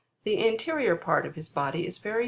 The anterior part of his body is very thick 12.